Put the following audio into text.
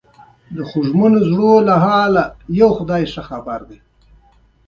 دا قانون د پېړیو تجربه ده.